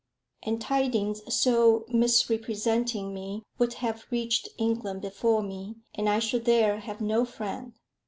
And tidings so misrepresenting me would have reached England before me, and I should there have no friend.